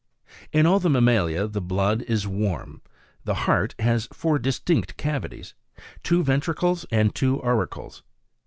In all the mammalia the blood is warm, and the heart has four distinct cavities ; two ventricles and two auricles.